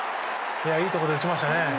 いいところで打ちましたね。